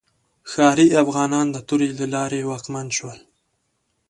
ښاري افغانان د تورې له لارې واکمن شول.